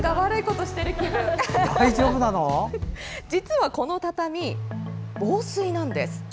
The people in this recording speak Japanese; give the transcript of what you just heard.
実はこの畳、防水なんです。